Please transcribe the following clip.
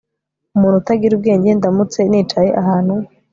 umuntu utagira ubwenge Ndamutse nicaye ahantu